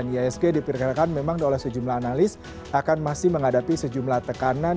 iasg diperkirakan memang oleh sejumlah analis akan masih menghadapi sejumlah tekanan